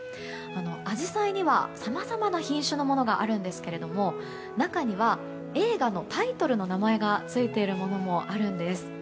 アジサイにはさまざまな品種のものがありますが中には、映画のタイトルの名前がついているものもあるんです。